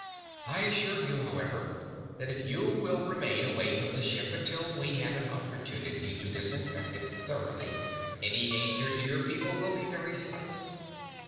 I assure you, however, that if you will remain away from the ship until we have an opportunity to disinfect it thoroughly, any danger to your people will be very slight.